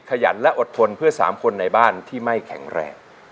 ขยันและอดทนเพื่อ๓คนในบ้านที่ไม่แข็งแรง